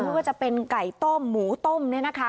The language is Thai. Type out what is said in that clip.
ว่าจะเป็นไก่ต้มหมูต้ม